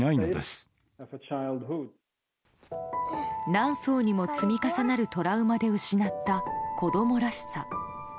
何層にも積み重なるトラウマで失った子供らしさ。